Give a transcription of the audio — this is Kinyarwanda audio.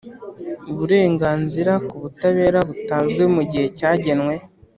Uburenganzira ku Butabera butanzwe mu gihe cya genwe